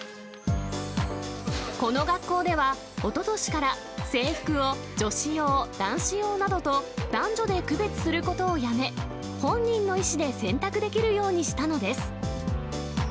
この学校では、おととしから、制服を女子用、男子用などと男女で区別することをやめ、本人の意思で選択できるようにしたのです。